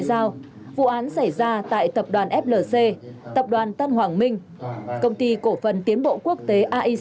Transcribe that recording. giao vụ án xảy ra tại tập đoàn flc tập đoàn tân hoàng minh công ty cổ phần tiến bộ quốc tế aic